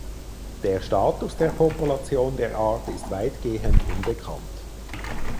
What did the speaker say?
Der Status der Population der Art ist weitgehend unbekannt.